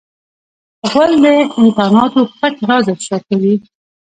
غول د انتاناتو پټ راز افشا کوي.